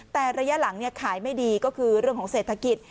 แต่ระยะหลังขายไม่ดีก็คือเรื่องของเศรษฐกิจ